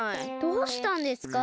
どうしたんですか？